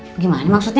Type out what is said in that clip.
pak gimana maksudnya